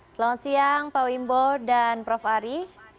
selamat siang pak wimbo dan prof ari